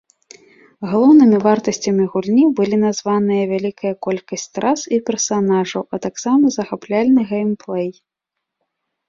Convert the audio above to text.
Галоўнымі вартасцямі гульні былі названыя вялікая колькасць трас і персанажаў, а таксама захапляльны геймплэй.